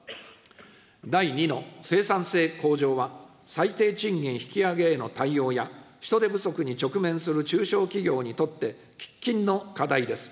第２の生産性向上は、最低賃金引き上げへの対応や、人手不足に直面する中小企業にとって喫緊の課題です。